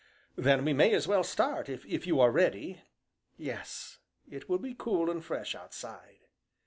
"Then we may as well start, if you are ready?" "Yes, it will be cool and fresh, outside."